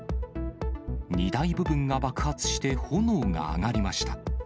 荷台部分が爆発して炎が上がりました。